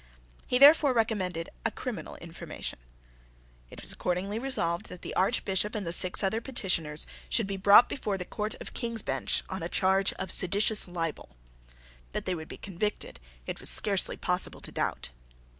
He therefore recommended a criminal information. It was accordingly resolved that the Archbishop and the six other petititioners should be brought before the Court of King's Bench on a charge of seditious libel. That they would be convicted it was scarcely possible to doubt.